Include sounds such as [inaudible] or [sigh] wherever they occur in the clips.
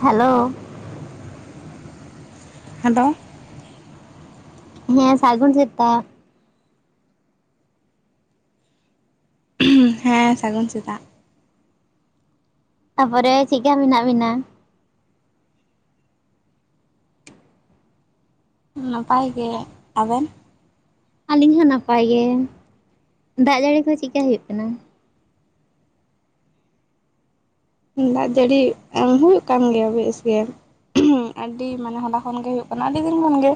Hello, hello ᱦᱮᱸ ᱥᱟᱜᱩᱱ ᱥᱮᱛᱟᱜ᱾ ᱦᱮᱸ ᱥᱟᱹᱜᱩᱱ ᱥᱮᱛᱟᱜ, ᱛᱟᱯᱚᱨᱮ ᱪᱮᱫ ᱠᱟ ᱢᱮᱱᱟᱜ ᱵᱤᱱᱟ? ᱱᱟᱯᱟᱭ ᱜᱮ ᱟᱵᱮᱱ, ᱟᱹᱞᱤᱧ ᱦᱚᱸ ᱱᱟᱯᱟᱭ ᱜᱮ ᱫᱟᱜᱽ ᱡᱟᱹᱲᱤ ᱠᱚ ᱪᱮᱫᱠᱟ ᱦᱩᱭᱩᱜ ᱠᱟᱱᱟ᱾ ᱫᱟᱜᱽ ᱡᱟᱹᱲᱤ ᱦᱩᱭᱩᱜ ᱠᱟᱱ ᱜᱮᱭᱟ ᱵᱮᱥ ᱜᱮ, ᱟᱹᱰᱤ ᱢᱟᱱᱮ ᱦᱚᱞᱟ ᱠᱷᱚᱱ ᱜᱮ ᱦᱩᱭᱩᱜ ᱠᱟᱱᱟ ᱟᱹᱰᱤ ᱫᱤᱱ ᱠᱷᱚᱱ ᱜᱮ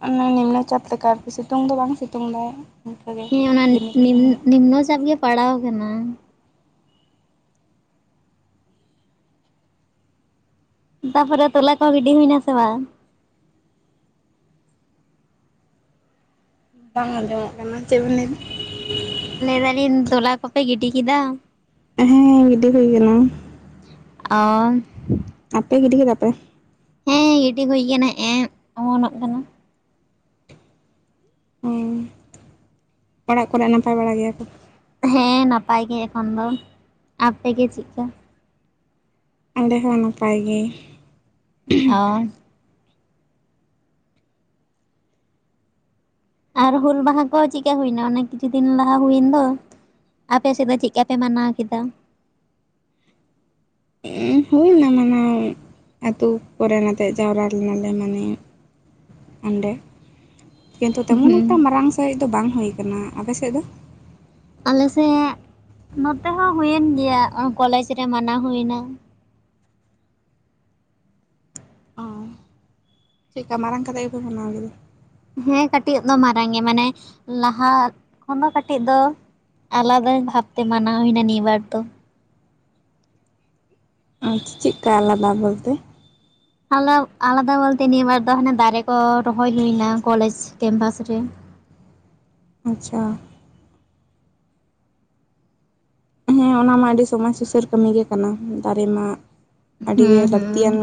ᱚᱱᱮ ᱪᱟᱯ ᱞᱮᱠᱟ ᱟᱨᱠᱤ ᱥᱤᱛᱩᱝ ᱫᱚ ᱵᱟᱝ ᱥᱤᱛᱩᱝ ᱫᱟᱭ, ᱤᱱᱠᱟᱹᱜᱮ ᱦᱮᱸ ᱚᱱᱟ ᱨᱤᱢᱤᱞ ᱱᱤᱢ ᱨᱤᱢᱤᱞ᱾ ᱱᱤᱢᱱᱚ ᱪᱟᱯ ᱜᱮ ᱯᱟᱲᱟᱣ ᱠᱟᱱᱟ᱾ ᱛᱟ ᱯᱚᱨᱮ ᱛᱚᱞᱟ ᱠᱚᱦᱚᱸ ᱜᱤᱰᱤ ᱦᱩᱭᱱᱟ ᱥᱮ ᱵᱟᱝ? ᱵᱟᱝ ᱟᱸᱡᱚᱢᱚᱜ ᱠᱟᱱᱟ ᱪᱮᱫ ᱵᱤᱱ ᱞᱟᱹᱭ ᱫᱟ? ᱞᱟᱹᱭ ᱫᱟᱞᱤᱧ ᱛᱚᱞᱟ ᱠᱚᱯᱮ ᱜᱤᱰᱤ ᱠᱮᱫᱟ᱾ ᱦᱮᱸ ᱜᱤᱰᱤ ᱦᱩᱭ ᱠᱟᱱᱟ, ᱚᱻ ᱟᱯᱮ ᱜᱤᱰᱤ ᱠᱮᱫᱟ ᱯᱮ? ᱦᱮᱸ ᱜᱤᱰᱤ ᱦᱩᱭ ᱟᱠᱟᱱᱟ ᱦᱮᱜᱼᱮ ᱚᱢᱚᱱᱚᱜ ᱠᱟᱱᱟ᱾ ᱚ ᱚᱲᱟᱜ ᱠᱚᱨᱮ ᱱᱟᱯᱟᱭ ᱵᱟᱲᱟ ᱜᱮᱭᱟ ᱠᱚ᱾ ᱦᱮᱸ ᱱᱟᱯᱟᱭ ᱜᱮ ᱮᱠᱷᱚᱱ ᱫᱚ ᱟᱯᱮ ᱜᱮ ᱪᱮᱫ ᱠᱟ? ᱟᱞᱮ ᱦᱚᱸ ᱱᱟᱯᱟᱭ ᱜᱮ, ᱚᱻ ᱟᱨ ᱦᱩᱞ ᱢᱟᱦᱟᱸ ᱠᱚ ᱪᱮᱫ ᱠᱟ ᱦᱩᱭ ᱮᱱᱟ ᱚᱱᱟ ᱠᱤᱪᱷᱩ ᱫᱤᱱ ᱞᱟᱦᱟ ᱦᱩᱭ ᱮᱱ ᱫᱚ, ᱟᱯᱮ ᱥᱮᱫ ᱫᱚ ᱪᱮᱫ ᱠᱟ ᱯᱮ ᱢᱟᱱᱟᱣ ᱠᱮᱫᱟ? [unintelligible] ᱦᱳᱭ ᱱᱟ ᱢᱟᱱᱟᱣ ᱟᱛᱩ ᱠᱚᱨᱮᱱ ᱟᱛᱮᱫ ᱡᱟᱣᱨᱟ ᱞᱮᱱᱟ ᱞᱮ ᱢᱟᱱᱮ ᱚᱸᱰᱮ ᱠᱤᱱᱛᱩ ᱛᱮᱢᱚᱱ ᱦᱩᱸ ᱮᱠᱴᱟ ᱢᱟᱨᱟᱝ ᱥᱟᱸᱦᱤᱡ ᱫᱚ ᱵᱟᱝ ᱦᱩᱭ ᱟᱠᱟᱱᱟ ᱟᱯᱮ ᱥᱮᱫ ᱫᱚ? ᱟᱞᱮ ᱥᱮᱫ ᱱᱚᱛᱮ ᱦᱚᱸ ᱦᱳᱭᱮᱱ ᱜᱮᱭᱟ ᱚᱦ ᱠᱚᱞᱮᱡᱽ ᱨᱮ ᱢᱟᱱᱟᱣ ᱦᱳᱭ ᱱᱟ ᱪᱮᱫ ᱠᱟ ᱢᱟᱨᱟᱝ ᱠᱟᱛᱮᱜ ᱜᱮᱯᱮ ᱢᱟᱱᱟᱣ ᱠᱮᱫᱟ? ᱦᱮᱸ ᱠᱟᱹᱴᱤᱡ ᱫᱚ ᱢᱟᱨᱟᱝ ᱜᱮ ᱢᱟᱱᱮ ᱞᱟᱦᱟ ᱠᱷᱚᱱ ᱫᱚ ᱠᱟᱹᱴᱤᱡ ᱫᱚ ᱟᱞᱟᱫᱟ ᱵᱷᱟᱵ ᱛᱮ ᱢᱟᱱᱟᱣ ᱦᱩᱭᱱᱟ ᱱᱤᱭᱟᱹ ᱵᱟᱨ ᱫᱚ᱾ [unintelligible] ᱪᱮᱫ ᱠᱟ ᱟᱞᱟᱫᱟ ᱵᱚᱞᱛᱮ? ᱟᱞᱟᱣ ᱟᱞᱟᱫᱟ ᱵᱚᱞᱛᱮ ᱱᱤᱭᱟᱹ ᱵᱟᱨ ᱫᱚ ᱦᱟᱱᱮ ᱫᱟᱨᱮ ᱠᱚ ᱨᱚᱦᱚᱭ ᱦᱩᱭᱱᱟ ᱠᱚᱞᱮᱡᱽ ᱠᱮᱢᱵᱟᱥ ᱨᱮ᱾ ᱟᱪᱪᱷᱟ᱾ ᱦᱮᱸ ᱚᱱᱟ ᱢᱟ ᱟᱹᱰᱤ ᱥᱚᱢᱟᱡᱽ ᱥᱩᱥᱟᱹᱨ ᱠᱟᱹᱢᱤ ᱜᱮ ᱠᱟᱱᱟ ᱫᱟᱨᱮ ᱢᱟ ᱟᱹᱰᱤ ᱜᱮ ᱦᱩᱸ ᱦᱩᱸ ᱞᱟᱹᱠᱛᱤᱭᱟᱱ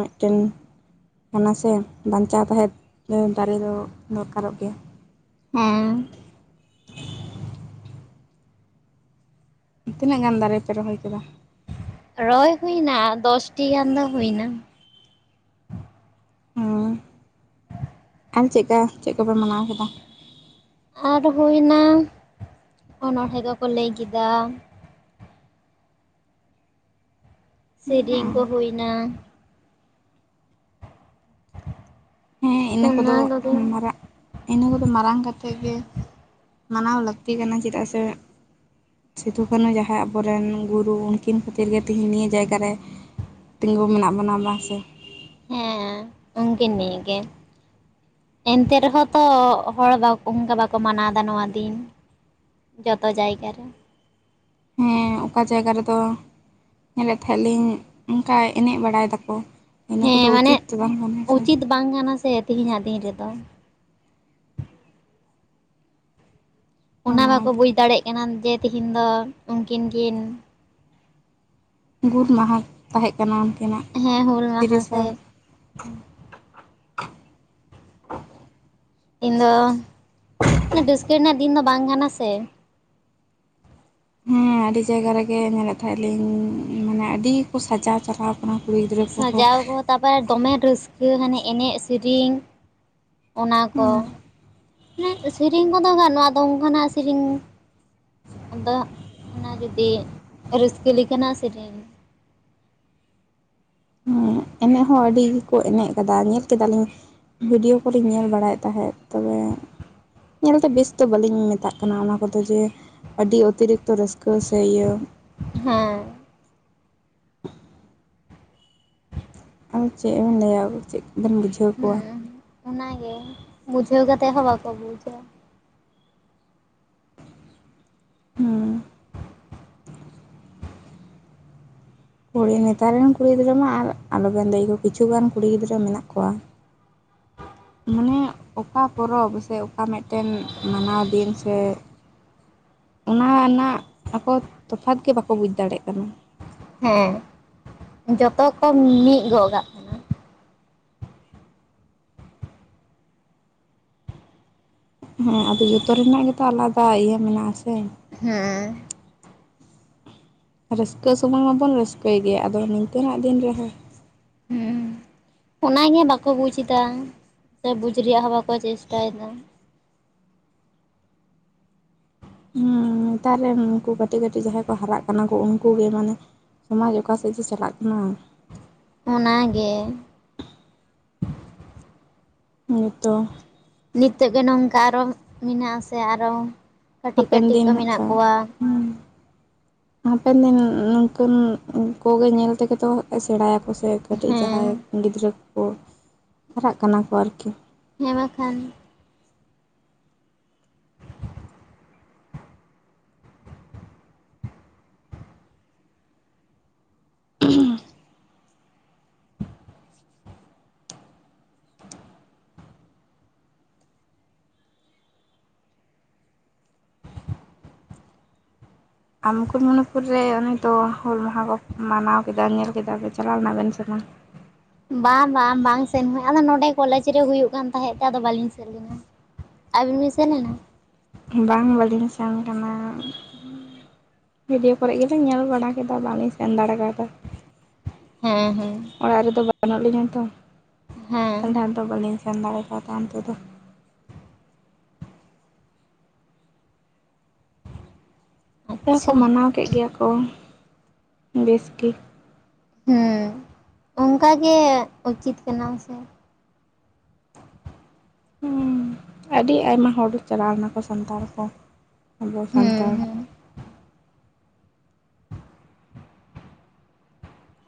[unintelligible] ᱠᱟᱱᱟ ᱥᱮ ᱵᱟᱧᱪᱟᱣ ᱛᱟᱦᱮᱸ ᱫᱚ ᱫᱟᱨᱮ ᱫᱚ ᱫᱚᱨᱠᱟᱨᱚᱜ ᱜᱮᱭᱟ᱾ ᱦᱮᱸ ᱛᱤᱱᱟᱹᱜ ᱜᱟᱱ ᱫᱟᱨᱮ ᱯᱮ ᱨᱚᱦᱚᱭ ᱠᱮᱫᱟ? ᱨᱚᱭ ᱦᱩᱭᱱᱟ ᱫᱚᱥᱴᱤ ᱜᱟᱱ ᱫᱚ ᱦᱩᱭᱱᱟ᱾ ᱦᱮᱸ ᱟᱨ ᱪᱮᱫ ᱠᱟ ᱪᱮᱫ ᱠᱚᱯᱮ ᱢᱟᱱᱟᱣ ᱠᱮᱫᱟ? ᱟᱨ ᱦᱩᱭᱱᱟ ᱚᱱᱚᱬᱦᱮᱸ ᱠᱚᱠᱚ ᱞᱟᱹᱭ ᱠᱮᱫᱟ, ᱥᱮᱨᱮᱧ ᱠᱚ ᱦᱩᱭᱱᱟ, ᱦᱮᱸ ᱤᱱᱟᱹ ᱠᱚᱫᱚ ᱢᱟᱨᱟᱜ ᱤᱱᱟᱹ ᱠᱚᱫᱚ ᱢᱟᱨᱟᱝ ᱠᱟᱛᱮᱫ ᱜᱮ ᱢᱟᱱᱟᱣ ᱞᱟᱹᱠᱛᱤ ᱠᱟᱱᱟ ᱪᱮᱫᱟᱜ ᱥᱮ, ᱥᱤᱫᱩᱼᱠᱟᱹᱱᱩ ᱡᱟᱦᱟᱭ ᱟᱵᱚ ᱨᱮᱱ ᱜᱩᱨᱩ ᱩᱱᱠᱤᱱ ᱠᱷᱟᱹᱛᱤᱨ ᱜᱮ ᱛᱮᱦᱮᱧ ᱱᱤᱭᱟᱹ ᱡᱟᱭᱜᱟ ᱨᱮ ᱛᱮᱸᱜᱳ ᱢᱮᱱᱟᱜ ᱵᱚᱱᱟ ᱵᱟᱝ ᱥᱮ? ᱦᱮᱸ ᱩᱱᱠᱤᱱ ᱱᱤᱭᱟᱹ ᱜᱮ᱾ ᱮᱱᱛᱮ ᱨᱮᱦᱚᱸ ᱛᱚ ᱦᱚᱲ ᱵᱟᱠ ᱚᱱᱠᱟ ᱵᱟᱠᱚ ᱢᱟᱱᱟᱣ ᱮᱫᱟ ᱱᱚᱣᱟ ᱫᱤᱱ᱾ ᱡᱚᱛᱚ ᱡᱟᱭᱜᱟ ᱨᱮ᱾ ᱮᱸ ᱚᱠᱟ ᱡᱟᱭᱜᱟ ᱨᱮᱫᱚ ᱧᱮᱞᱮᱫ ᱛᱟᱦᱮᱸᱫ ᱞᱤᱧ ᱚᱱᱠᱟ ᱮᱱᱮᱡ ᱵᱟᱲᱟᱭ ᱫᱟᱠᱚ᱾ ᱤᱱᱟᱹ ᱦᱮᱸ ᱠᱚᱫᱚ ᱢᱟᱱᱮ ᱩᱪᱤᱛ ᱫᱚ ᱵᱟᱝ ᱠᱟᱱᱟ ᱥᱮ᱾ ᱩᱪᱤᱛ ᱵᱟᱝ ᱠᱟᱱᱟ ᱥᱮ ᱛᱤᱦᱤᱧᱼᱟᱜ ᱫᱤᱱ ᱨᱮᱫᱚ, ᱚᱱᱟ ᱵᱟᱠᱚ ᱚᱱᱟᱜᱮ ᱵᱩᱡᱽ ᱫᱟᱲᱮᱭᱟᱜ ᱠᱟᱱᱟ ᱡᱮ ᱛᱤᱦᱤᱧ ᱫᱚ ᱩᱱᱠᱤᱱ ᱠᱤᱱ ᱜᱩᱨ ᱢᱟᱦᱟ ᱛᱟᱦᱮᱸᱜ ᱠᱟᱱᱟ ᱩᱱᱠᱤᱱᱟᱜ᱾ ᱦᱮᱸ ᱦᱩᱞ ᱢᱟᱦᱟ ᱛᱤᱨᱤᱥᱟ ᱥᱮ [inaudible] ᱤᱧ ᱫᱚ ᱨᱟᱹᱥᱠᱟᱹ ᱨᱮᱱᱟᱜ ᱫᱤᱱ ᱫᱚ ᱵᱟᱝ ᱠᱟᱱᱟ ᱥᱮ, ᱦᱮᱸ ᱟᱹᱰᱤ ᱡᱟᱭᱜᱟ ᱨᱮᱜᱮ ᱧᱮᱞᱮᱫ ᱛᱟᱦᱮᱸᱫ ᱟᱞᱤᱧ ᱢᱟᱱᱮ ᱟᱹᱰᱤ ᱠᱚ ᱥᱟᱡᱟᱣ ᱪᱟᱞᱟᱣ ᱠᱟᱱᱟ ᱠᱩᱲᱤ ᱜᱤᱫᱽᱨᱟᱹ ᱠᱚᱦᱚᱸ ᱥᱟᱡᱟᱣ ᱠᱚ ᱛᱟᱨᱯᱚᱨ ᱫᱚᱢᱮ ᱨᱟᱹᱥᱠᱟᱹ ᱦᱟᱱᱮ ᱮᱱᱮᱡ ᱥᱮᱨᱮᱧ, ᱚᱱᱟ ᱠᱚ ᱥᱮᱨᱮᱧ ᱠᱚᱫᱚ ᱜᱟᱱᱚᱜ ᱟ ᱟᱫᱚ ᱚᱱᱠᱟᱱᱟ ᱥᱮᱨᱮᱧ, ᱟᱫᱚ ᱚᱱᱟ ᱡᱩᱫᱤ ᱨᱟᱹᱥᱠᱟᱹ ᱞᱮᱠᱟᱱᱟᱜ ᱥᱮᱨᱮᱧ ᱮᱱᱮᱡ ᱦᱚᱸ ᱟᱹᱰᱤ ᱜᱮᱠᱚ ᱮᱱᱮᱡ ᱟᱠᱟᱫᱟ ᱧᱮᱞ ᱠᱮᱫᱟᱞᱤᱧ ᱵᱷᱤᱰᱤᱭᱳ ᱠᱚᱨᱮᱧ ᱧᱮᱞ ᱵᱟᱲᱟᱭᱮᱫ ᱛᱟᱦᱮᱸᱫ ᱛᱚᱵᱮ ᱧᱮᱞᱛᱮ ᱵᱮᱥ ᱫᱚ ᱵᱟᱹᱞᱤᱧ ᱢᱮᱛᱟᱜ ᱠᱟᱱᱟ ᱚᱱᱟ ᱠᱚᱫᱚ ᱡᱮ ᱟᱹᱰᱤ ᱚᱛᱤᱨᱤᱠᱛᱚ ᱨᱟᱹᱥᱠᱟᱹ ᱥᱮ ᱤᱭᱟᱹ ᱦᱮᱸ ᱟᱨ ᱪᱮᱫ ᱵᱚᱱ ᱞᱟᱹᱭᱟ ᱪᱮᱫ ᱵᱚᱱ ᱵᱩᱡᱷᱟᱹᱣ ᱠᱚᱣᱟ᱾ ᱚᱱᱟ ᱜᱮ ᱵᱩᱡᱷᱟᱹᱣ ᱠᱟᱛᱮ ᱦᱚᱸ ᱵᱟᱠᱚ ᱵᱩᱡᱟ᱾ ᱦᱩᱸᱻ ᱾ ᱠᱩᱲᱤ ᱱᱮᱛᱟᱨ ᱨᱮᱱ, ᱠᱩᱲᱤ ᱜᱤᱫᱽᱨᱟᱹ ᱢᱟ ᱾ ᱟᱨ ᱟᱞᱚ ᱵᱮᱱ ᱞᱟᱹᱭ ᱟᱠᱚᱣᱟ ᱾ ᱠᱤᱪᱷᱩ ᱜᱟᱱ, ᱠᱩᱲᱤ ᱜᱤᱫᱽᱨᱟᱹ ᱢᱮᱱᱟᱜ ᱠᱚᱣᱟ ᱾ ᱢᱟᱱᱮ, ᱚᱠᱟ ᱯᱚᱨᱚᱵᱽ, ᱥᱮ ᱚᱠᱟ, ᱢᱤᱫᱴᱮᱱ ᱢᱟᱱᱟᱣ ᱫᱤᱱ, ᱥᱮ? ᱚᱱᱟ ᱨᱮᱱᱟᱜ, ᱟᱠᱚ, ᱛᱚᱯᱷᱟᱛ ᱜᱮ, ᱵᱟᱠᱚ, ᱵᱩᱡᱽ ᱫᱟᱲᱮᱭᱟᱜ ᱠᱟᱱᱟ ᱾ ᱦᱮᱸ! ᱡᱚᱛᱚ ᱠᱚ, ᱢᱤᱫ ᱜᱚᱜ ᱠᱟᱜ ᱾ ᱦᱮᱸ, ᱟᱫᱚ, ᱡᱚᱛᱚ ᱨᱮᱱᱟᱜ ᱜᱮᱛᱚ, ᱟᱞᱟᱫᱟ, ᱤᱭᱟᱹ ᱢᱮᱱᱟᱜ ᱟ, ᱥᱮ? ᱦᱮᱸ ᱻ ᱾ ᱨᱟᱹᱥᱠᱟᱹ ᱥᱚᱢᱚᱭ, ᱢᱟ ᱵᱚᱱ, ᱨᱟᱹᱥᱠᱟᱹᱭ ᱜᱮᱭᱟ ᱾ ᱟᱫᱚ, ᱱᱤᱝᱠᱟᱹᱱᱟᱜ, ᱫᱤᱱ ᱨᱮᱦᱚᱸ, ᱚᱱᱟ ᱜᱮ, ᱵᱟᱠᱚ ᱵᱩᱡᱽ ᱮᱫᱟ, ᱥᱮ ᱵᱩᱡᱽ ᱨᱮᱭᱟᱜ ᱦᱚᱸ, ᱵᱟᱠᱚ ᱪᱮᱥᱴᱟ ᱭᱮᱫᱟ ᱾ ᱦᱩᱸ, ᱱᱮᱛᱟᱨ ᱨᱮᱱ ᱩᱱᱠᱩ, ᱠᱟᱹᱴᱤᱡ, ᱠᱟᱹᱴᱤᱡ ᱡᱟᱦᱟᱸᱭ ᱠᱚ, ᱦᱟᱨᱟᱜ ᱠᱟᱱᱟ ᱠᱚ, ᱩᱱᱠᱩ ᱜᱮ, ᱢᱟᱱᱮ ᱾ ᱥᱚᱢᱟᱡᱽ ᱚᱠᱟ ᱥᱮᱫ, ᱡᱮ ᱪᱟᱞᱟᱜ ᱠᱟᱱᱟ? ᱚᱱᱟᱜᱮ! ᱱᱤᱛᱚᱜ, ᱱᱤᱛᱚᱜ ᱜᱮ, ᱱᱚᱝᱠᱟ ᱾ ᱟᱨᱚ ᱢᱮᱱᱟᱜᱼᱟ, ᱥᱮ ᱟᱨᱚ, ᱠᱟᱹᱴᱤᱡ, ᱦᱟᱯᱮᱱ ᱠᱟᱹᱴᱤᱡ ᱫᱤᱱ ᱠᱚ, ᱦᱟᱸᱜ ᱢᱮᱱᱟᱜ ᱠᱷᱟᱡ ᱠᱚᱣᱟ ᱾ ᱦᱩᱸ ᱦᱟᱯᱮᱱ ᱫᱤᱱ, ᱱᱩᱝᱠᱟᱹᱱ ᱠᱚ ᱜᱮ, ᱧᱮᱞ ᱛᱮᱜᱮ ᱛᱚ, ᱥᱮᱬᱟ ᱭᱟᱠᱚ, ᱥᱮ ᱾ ᱠᱟᱹᱴᱤᱡ, ᱦᱮᱸ ᱡᱟᱦᱟᱸᱭ ᱜᱤᱫᱽᱨᱟᱹ ᱠᱚ, ᱠᱚ ᱦᱟᱨᱟᱜ ᱠᱟᱱᱟ ᱠᱚ, ᱟᱨᱠᱤ? ᱦᱮᱸ! ᱢᱟᱠᱷᱟᱱ? ᱩᱸᱜᱼᱦᱩᱸᱻ ᱾ ᱟᱢ, ᱢᱩᱠᱩᱴᱢᱩᱱᱤᱯᱩᱨ ᱨᱮ, ᱩᱱᱤ ᱫᱚ ᱦᱩᱞ ᱢᱟᱦᱟ ᱠᱚ, ᱢᱟᱱᱟᱣ ᱠᱮᱫᱟ ᱾ ᱧᱮᱞ ᱠᱮᱫᱟ ᱯᱮ, ᱪᱟᱞᱟᱣ ᱮᱱᱟ, ᱵᱮᱱ ᱥᱮ ᱵᱟᱝ? ᱵᱟᱝ, ᱵᱟᱝ, ᱵᱟᱝ ᱥᱮᱱᱚᱜ, ᱟᱫᱚ ᱱᱚᱰᱮ, ᱠᱚᱞᱮᱮᱡ ᱨᱮ, ᱦᱩᱭᱩᱜ ᱠᱟᱱ ᱛᱟᱦᱮᱸᱫ ᱛᱮ, ᱟᱫᱚ ᱵᱟᱟᱹᱞᱤᱧ, ᱥᱮᱱ ᱞᱮᱱᱟ ᱾ ᱟᱹᱵᱤᱱ, ᱵᱤᱱ ᱥᱮᱱ ᱞᱮᱱᱟ? ᱵᱟᱝ? ᱵᱟᱹᱞᱤᱧ ᱥᱮᱱ ᱟᱠᱟᱱᱟ ᱾ ᱵᱷᱤᱰᱭᱳ ᱠᱚᱨᱮ, ᱜᱮᱞᱤᱧ ᱧᱮᱞ ᱵᱟᱲᱟ ᱠᱮᱫᱟ ᱾ ᱵᱟᱝᱞᱤᱧ ᱥᱮᱱ, ᱫᱟᱲᱮ ᱠᱟᱣᱫᱟ ᱾ ᱦᱮᱸ, ᱦᱮᱸ ᱾ ᱚᱲᱟᱜ ᱨᱮᱫᱚ, ᱵᱟᱹᱱᱩᱜ ᱞᱤᱧᱟ ᱛᱚ, ᱦᱮᱸ ᱛᱟᱦᱚᱞᱮ ᱟᱫᱚ, ᱵᱟᱹᱞᱤᱧ ᱥᱮᱱ ᱫᱟᱲᱮ ᱣᱟᱠᱟᱣᱟᱫᱟ, ᱛᱟᱦᱮᱱ ᱚᱱᱛᱮ ᱫᱚ ᱾ ᱱᱚᱛᱮ ᱦᱚᱸᱠᱚ ᱟᱪᱪᱷᱟ ᱢᱟᱱᱟᱣ ᱠᱮᱫ, ᱜᱮᱭᱟ ᱠᱚ ᱵᱮᱥ ᱜᱮ ᱾ ᱦᱮᱸ! ᱚᱱᱠᱟ ᱜᱮ, ᱩᱪᱤᱛ ᱠᱟᱱᱟ ᱥᱮ ᱾ ᱩᱸᱼ, ᱟᱹᱰᱤ ᱟᱭᱢᱟ ᱦᱚᱲ, ᱪᱟᱞᱟᱣ ᱮᱱᱟ ᱠᱚ, ᱥᱟᱱᱛᱟᱲ ᱠᱚ ᱾ ᱟᱵᱚ ᱦᱩᱸ ᱥᱟᱱᱛᱟᱲ,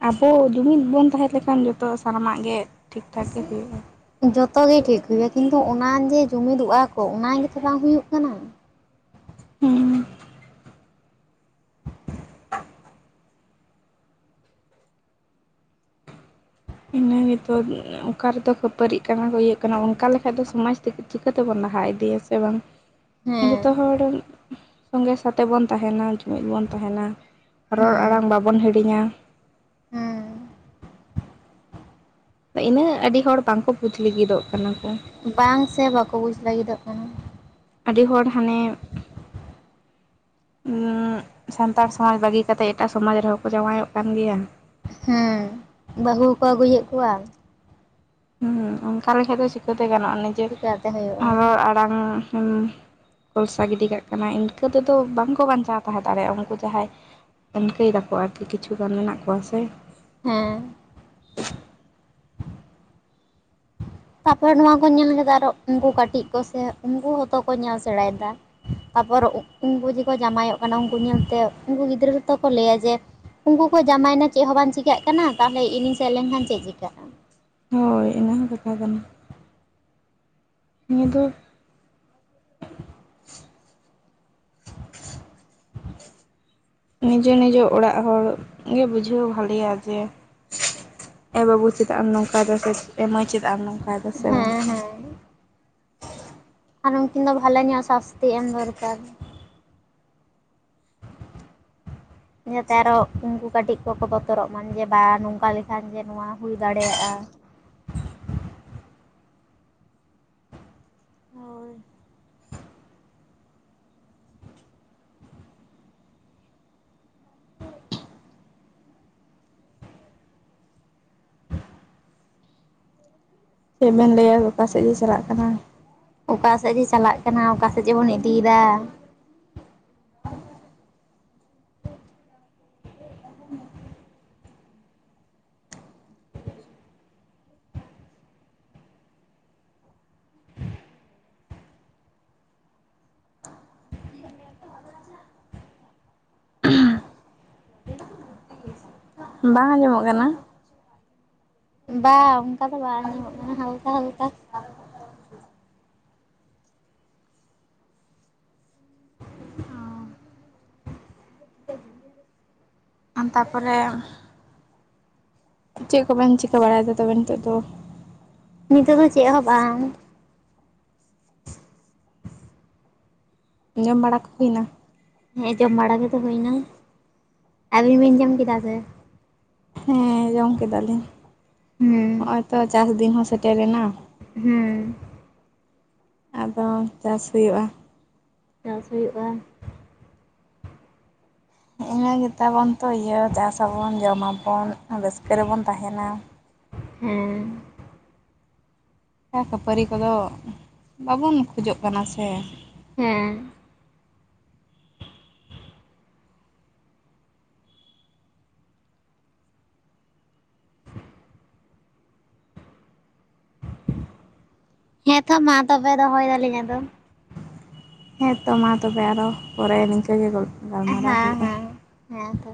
ᱟᱵᱚ, ᱡᱩᱢᱤᱫ ᱵᱚᱱ, ᱛᱟᱦᱮᱸ ᱞᱮᱠᱷᱟᱱ, ᱡᱚᱛᱚ ᱥᱟᱱᱟᱢᱟᱜ ᱜᱮ, ᱴᱷᱤᱠ ᱴᱷᱟᱠ ᱜᱮ, ᱦᱩᱭᱩᱜᱼᱟ ᱾ ᱡᱚᱛᱚ ᱜᱮ, ᱴᱷᱤᱠ ᱦᱩᱭᱩᱜᱼᱟ ᱾ ᱠᱤᱱᱛᱩ ᱚᱱᱟ ᱜᱮ, ᱡᱩᱢᱤᱫᱚᱜᱼᱟ ᱠᱚ, ᱚᱱᱟ ᱜᱮᱛᱚ ᱵᱟᱝ ᱦᱩᱭᱩᱜ ᱠᱟᱱᱟ? ᱩᱸᱼᱦᱩᱸᱻ ᱾ ᱤᱱᱟᱹ ᱱᱤᱛᱚᱜ ᱾ ᱚᱠᱟ ᱨᱮᱫᱚ, ᱠᱷᱟᱹᱯᱟᱹᱨᱤᱜ ᱠᱟᱱᱟ ᱠᱚ, ‌ᱭᱟᱹᱜ ᱠᱟᱱᱟ ᱾ ᱚᱱᱠᱟ ᱞᱮᱠᱷᱟᱡ ᱫᱚ, ᱥᱚᱢᱟᱡᱽ ᱛᱮᱜ ᱪᱤᱠᱟᱹᱛᱮ, ᱵᱚᱱ ᱞᱟᱦᱟ ᱤᱫᱤᱭᱟ ᱥᱮ, ᱵᱟᱝ? ᱦ ᱡᱚᱛᱚ, ᱦᱚᱲ ᱥᱚᱸᱜᱮ, ᱥᱟᱛᱮ ᱵᱚᱱ, ᱛᱟᱦᱮᱱᱟ ᱾ ᱡᱩᱢᱤᱫ ᱵᱚᱱ, ᱛᱟᱦᱮᱱᱟ ᱾ ᱨᱚᱲ ᱦᱮᱸ ᱟᱲᱟᱝ, ᱵᱟᱵᱚᱱ ᱦᱤᱲᱤᱧᱟ ᱾ ᱦᱮᱸ ᱤᱱᱟᱹᱜ, ᱟᱹᱰᱤ ᱦᱚᱲ ᱵᱟᱠᱚ, [unintelligible] ᱠᱟᱱᱟ, ᱠᱚ ᱾ ᱵᱟᱝ ᱥᱮ, ᱵᱟᱠᱚ ᱵᱩᱡ, ᱞᱟᱹᱜᱤᱫᱚᱜ ᱠᱟᱱᱟ ᱾ ᱟᱹᱰᱤ ᱦᱚᱲ, ᱦᱟᱱᱮ ᱦᱩᱸᱻ, ᱥᱟᱱᱛᱟᱲ ᱥᱚᱢᱟᱡᱽ ᱵᱟᱹᱜᱤ ᱠᱟᱛᱮᱜ, ᱮᱴᱟᱜ ᱥᱚᱢᱟᱡᱽ ᱨᱮᱦᱚᱸ ᱠᱚ, ᱡᱟᱶᱟᱭᱚᱜ ᱠᱟᱱ ᱜᱮᱭᱟ ᱾ ᱦᱮᱸ, ᱵᱟᱹᱦᱩ ᱠᱚ, ᱟᱹᱜᱩᱭᱮᱫ ᱠᱚᱣᱟ ᱾ ᱦᱩᱸ, ᱚᱱᱠᱟ ᱞᱮᱠᱷᱟᱡ ᱫᱚ, ᱪᱤᱠᱟᱹᱛᱮ ᱜᱟᱱᱚᱜᱼᱟ? ᱱᱤᱡᱮ ᱪᱤᱠᱟᱹᱛᱮ ᱦᱩᱭᱩᱜᱼᱟ ᱨᱚᱲ ᱟᱲᱟᱝ, ᱮᱢ ᱠᱚᱞᱥᱟ, ᱜᱤᱰᱤ ᱠᱟᱜ ᱠᱟᱱᱟ ᱾ ᱤᱱᱠᱟᱹ ᱛᱮᱫᱚ, ᱵᱟᱝ ᱠᱚ, ᱵᱟᱧᱪᱟᱣ ᱛᱟᱦᱮᱸ ᱫᱟᱲᱮᱭᱟᱜᱼᱟ ᱾ ᱩᱱᱠᱩ ᱡᱟᱦᱟᱸᱭ ᱤᱱᱠᱟᱹ ᱮᱫᱟ ᱠᱚ, ᱟᱨᱠᱤ ᱠᱤᱪᱷᱩ ᱜᱟᱱ, ᱢᱮᱱᱟᱜ ᱠᱚᱣᱟ ᱥᱮ? ᱦᱮᱸᱻ ᱾ ᱛᱟᱨᱯᱚᱨᱮ ᱱᱚᱣᱟ ᱠᱚ ᱧᱮᱞ ᱠᱮᱫᱟ ᱟᱨᱚ ᱩᱱᱠᱩ ᱠᱟᱹᱴᱤᱡ ᱠᱚᱥᱮ ᱩᱱᱠᱩ ᱦᱚᱸᱛᱚ ᱠᱚ ᱧᱮᱞ ᱥᱮᱬᱟᱭᱮᱫᱟ ᱾ ᱛᱟᱨᱯᱚᱨ ᱩᱱᱠᱩ ᱡᱮᱠᱚ ᱡᱟᱢᱟᱭᱚᱜ ᱠᱟᱱᱟ ᱩᱱᱠᱩ ᱧᱮᱞᱛᱮ, ᱩᱱᱠᱩ ᱜᱤᱫᱽᱨᱟᱹ ᱜᱮᱛᱚ ᱠᱚ ᱞᱟᱹᱭᱟ ᱡᱮ ᱩᱱᱠᱩ ᱠᱚ ᱡᱟᱢᱟᱭᱮᱱᱟ ᱪᱮᱫ ᱦᱚᱸ ᱵᱟᱝ ᱪᱤᱠᱟᱹᱜ ᱠᱟᱱᱟ, ᱛᱟᱦᱚᱞᱮ ᱤᱧᱤᱧ ᱥᱮᱱ ᱞᱮᱱᱠᱷᱟᱱ ᱪᱮᱫ ᱪᱤᱠᱟᱹᱜᱼᱟ? ᱦᱳᱭ, ᱤᱱᱟᱹ ᱦᱚᱸ ᱠᱟᱛᱷᱟ ᱠᱟᱱᱟ ᱾ ᱱᱤᱭᱟᱹ ᱫᱚ [unintelligible] ᱱᱤᱡᱮ ᱱᱤᱡᱮ ᱚᱲᱟᱜ ᱦᱚᱲ ᱜᱮ ᱵᱩᱡᱷᱟᱹᱣ ᱵᱷᱟᱞᱮᱭᱟ ᱡᱮ ᱮ ᱵᱟᱹᱵᱩ ᱪᱮᱫᱟ ᱮᱢ ᱱᱚᱝᱠᱟᱭᱫᱟ, ᱥᱮ ᱮᱢᱟᱹᱭ ᱪᱮᱫᱟ ᱟᱢ ᱱᱚᱝᱠᱟᱭᱫᱟ ᱥᱮ ᱦᱮᱸ ᱵᱟᱝ᱾ ᱦᱮᱸ ᱟᱨ ᱩᱱᱠᱤᱱ ᱫᱚ ᱵᱷᱟᱞᱮ ᱧᱚᱜ ᱥᱟᱥᱛᱤ ᱮᱢ ᱫᱚᱨᱠᱟᱨ᱾ ᱡᱟᱛᱮ ᱟᱨᱚ ᱩᱱᱠᱩ ᱠᱟᱹᱴᱤᱡ ᱠᱚᱠᱚ ᱵᱚᱛᱚᱨᱚᱜ ᱢᱟ, ᱡᱮ ᱵᱟᱝ ᱱᱚᱝᱠᱟ ᱞᱮᱠᱷᱟᱱ ᱡᱮ ᱱᱚᱣᱟ ᱦᱩᱭ ᱫᱟᱲᱮᱭᱟᱜᱼᱟ ᱾ ᱪᱮᱫ ᱵᱮᱱ ᱞᱟᱹᱭᱟ ᱜᱚᱴᱟ ᱥᱮᱫ ᱜᱮ ᱪᱟᱞᱟᱜ ᱠᱟᱱᱟ ᱾ ᱚᱠᱟ ᱥᱮᱫ ᱡᱮ ᱪᱟᱞᱟᱜ ᱠᱟᱱᱟ, ᱚᱠᱟᱥᱮᱡ ᱡᱮ ᱵᱚᱱ ᱤᱫᱤᱭᱮᱫᱟ? ᱵᱟᱝ ᱟᱸᱡᱚᱢᱚᱜ ᱠᱟᱱᱟ? ᱵᱟᱝ ᱚᱱᱠᱟ ᱫᱚ ᱵᱟᱝ ᱧᱟᱢᱚᱜ ᱠᱟᱱᱟ ᱦᱟᱞᱠᱟ ᱦᱟᱞᱠᱟ ᱾ ᱟᱢ ᱛᱟᱯᱚᱨᱮ ᱪᱮᱫ ᱠᱚᱵᱮᱱ ᱪᱤᱠᱟᱹ ᱵᱟᱲᱟᱭ ᱮᱫᱟ ᱛᱚᱵᱮ ᱱᱤᱛᱚᱜ ᱫᱚ? ᱱᱤᱛᱚᱜ ᱫᱚ ᱪᱮᱫ ᱦᱚᱸ ᱵᱟᱝ ᱾ ᱡᱚᱢ ᱵᱟᱲᱟ ᱠᱚ ᱦᱩᱭᱱᱟ? ᱦᱮᱸ ᱡᱚᱢ ᱵᱟᱲᱟ ᱜᱮᱛᱚ ᱦᱩᱭᱱᱟ, ᱟᱹᱵᱤᱱ ᱵᱤᱱ ᱡᱚᱢ ᱠᱮᱫᱟ ᱥᱮ? ᱦᱮᱸᱻ ᱡᱚᱢ ᱠᱮᱫᱟ ᱞᱤᱧ ᱾ ᱦᱩᱸ ᱦᱚᱜᱼᱚᱭ ᱛᱚ ᱪᱟᱥ ᱫᱤᱱ ᱦᱚᱸ ᱥᱮᱴᱮᱨᱮᱱᱟ ᱾ ᱦᱩᱸ ᱟᱫᱚ ᱪᱟᱥ ᱦᱩᱭᱩᱜᱼᱟ ᱾ ᱪᱟᱥ ᱦᱩᱭᱩᱜᱼᱟ ᱾ ᱦᱤᱜᱱᱟᱹ ᱜᱮᱛᱟᱵᱚᱱ ᱛᱚ ᱤᱭᱟᱹ ᱪᱟᱥ ᱟᱵᱚᱱ ᱡᱚᱢᱟᱵᱚᱱ ᱨᱟᱹᱥᱠᱟᱹ ᱨᱮᱵᱚᱱ ᱛᱟᱦᱮᱱᱟ ᱾ ᱦᱮᱸ, ᱠᱷᱟᱹᱯᱟᱹᱨᱤ ᱠᱚᱫᱚ ᱵᱟᱵᱚᱱ ᱠᱷᱚᱡᱚᱜ ᱠᱟᱱᱟ ᱥᱮ ᱾ ᱦᱮᱸ᱾ ᱦᱮ ᱛᱚ ᱢᱟ ᱛᱚᱵᱮ ᱫᱚᱦᱚᱭ ᱫᱟᱞᱤᱧ ᱟᱫᱚ ᱾ ᱦᱮᱸ ᱛᱚ ᱢᱟ ᱛᱚᱵᱮ ᱟᱨᱚ ᱯᱚᱨᱮ ᱱᱤᱝᱠᱟᱹ ᱜᱮ ᱜᱚᱞ ᱦᱮᱸ ᱦᱮᱸ ᱦᱮᱸ ᱛᱚ,